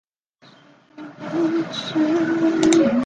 沙西人口变化图示